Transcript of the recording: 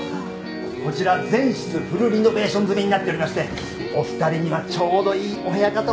こちら全室フルリノベーション済みになっておりましてお二人にはちょうどいいお部屋かと思うんですけどね。